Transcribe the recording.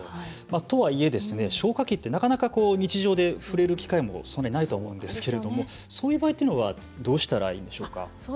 とはいえ、消火器ってなかなか日常で触れる機会もそんなにないと思うんですがそういう場合はどうしたらいいんでしょうか。